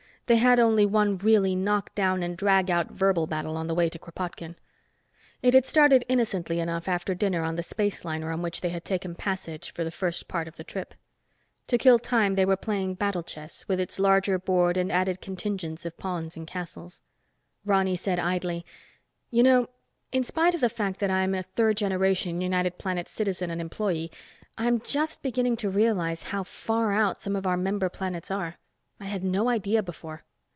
They had only one really knock down and drag out verbal battle on the way to Kropotkin. It had started innocently enough after dinner on the space liner on which they had taken passage for the first part of the trip. To kill time they were playing Battle Chess with its larger board and added contingents of pawns and castles. Ronny said idly, "You know, in spite of the fact that I'm a third generation United Planets citizen and employee, I'm just beginning to realize how far out some of our member planets are. I had no idea before."